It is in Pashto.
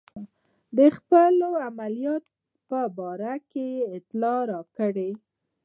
د خپلو عملیاتو په باره کې اطلاع راکړئ.